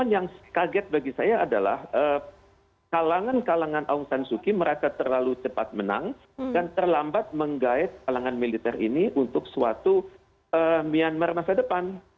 yang kaget bagi saya adalah kalangan kalangan aung sanzuki merasa terlalu cepat menang dan terlambat menggait kalangan militer ini untuk suatu myanmar masa depan